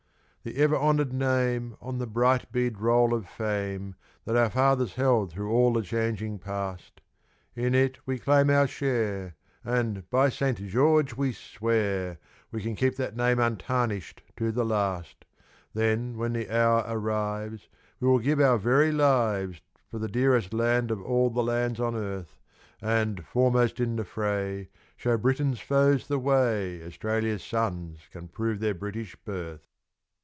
The ever honoured name On the bright bead roll of Fame, That our fathers held through all the changing Past, In it we claim our share, And by Saint George we swear, We can keep that name untarnished to the last; Then, when the hour arrives, We will give our very lives For the dearest land of all the lands on earth, And, foremost in the fray, Show Britain's foes the way Australia's sons can prove their British birth.